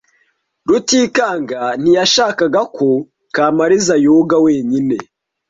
Rutikanga ntiyashakaga ko Kamariza yoga wenyine.